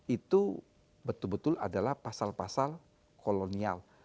itu betul betul adalah pasal pasal kolonial